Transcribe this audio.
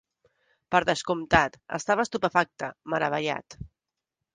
Per descomptat, estava estupefacte, meravellat.